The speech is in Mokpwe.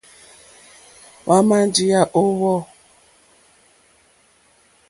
Hwámà njíyá ó hwò.